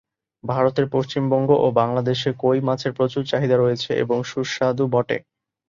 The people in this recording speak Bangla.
ভারতের পশ্চিমবঙ্গ ও বাংলাদেশে কই মাছের প্রচুর চাহিদা রয়েছে এবং সুস্বাদু বটে।